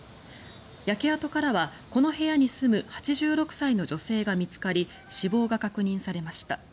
焼け跡からこの部屋に住む８６歳の女性が見つかり死亡が確認されました。